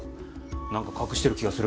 なんか隠してる気がする。